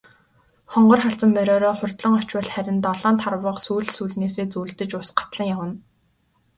Хонгор халзан мориороо хурдлан очвол харин долоон тарвага сүүл сүүлнээсээ зүүлдэж ус гатлан явна.